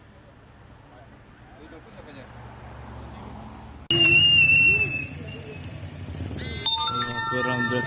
jangan lupa untuk berlangganan subscribe dan like ok